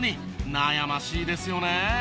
悩ましいですよね。